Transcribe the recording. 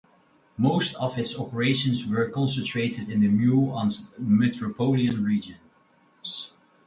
Most of its operations were concentrated in the Maule and Metropolitan regions.